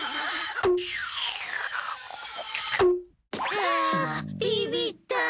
はあビビった。